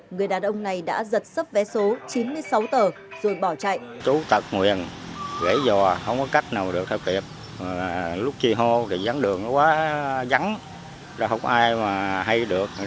người đàn ông này đã giật sấp vé số chín mươi sáu tờ rồi bỏ chạy